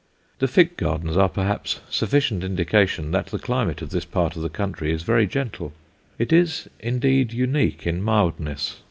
The fig gardens are perhaps sufficient indication that the climate of this part of the country is very gentle. It is indeed unique in mildness.